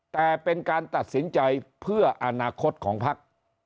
แต่เป็นการตัดสินใจเพื่ออนาคตของพัก